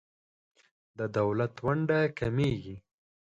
د دولت ونډه کمیږي.